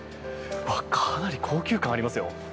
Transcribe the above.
かなり高級感がありますよ。